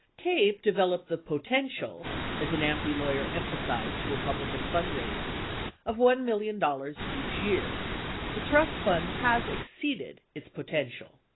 TAPE developed the "potential," as an AMPI lawyer emphasized to Republican fundraisers, of $1 million each year. 12 The trust fund has exceeded its potential.